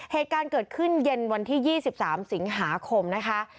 เหตุการณ์เกิดขึ้นเย็นวันที่๒๓สิงหาคมนะคะ